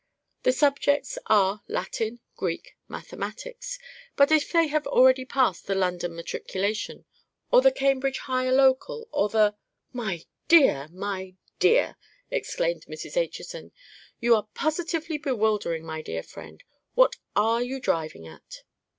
The subjects are Latin, Greek, mathematics. But if they have already passed the London Matriculation, or the Cambridge Higher Local, or the——" "My dear, my dear!" cried Mrs. Acheson, "you are positively bewildering my dear friend. What are you driving at?"